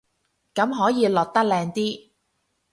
咁可以落得靚啲